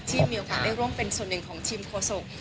มีโอกาสได้ร่วมเป็นส่วนหนึ่งของทีมโฆษก